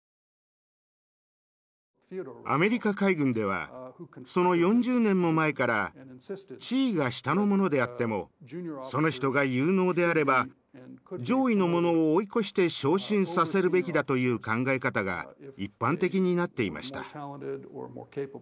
アメリカ海軍ではその４０年も前から地位が下の者であってもその人が有能であれば上位の者を追い越して昇進させるべきだという考え方が一般的になっていました。